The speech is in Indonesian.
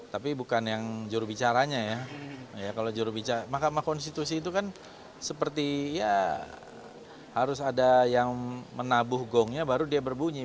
tapi bukan yang jurubicaranya ya kalau jurubicara mahkamah konstitusi itu kan seperti ya harus ada yang menabuh gongnya baru dia berbunyi